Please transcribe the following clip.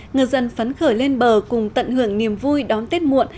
ngư dân phấn khởi lên bờ cùng tận hưởng niềm vui đón tết muộn